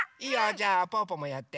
じゃあぽぅぽもやって。